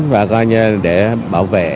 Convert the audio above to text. và coi như là để bảo vệ